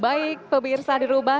baik pemirsa di rumah